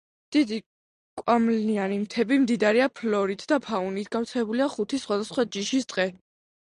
დიდი კვამლიანი მთები მდიდარია ფლორით და ფაუნით, გავრცელებულია ხუთი სხვადასხვა ჯიშის ტყე.